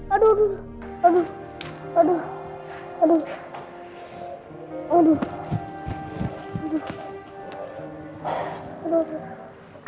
aduh aduh aduh